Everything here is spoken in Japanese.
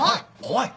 おい。